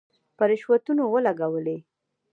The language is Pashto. په رشوتونو ولګولې.